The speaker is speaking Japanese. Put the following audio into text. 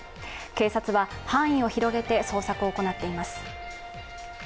警察は範囲を広げて捜索を行っています。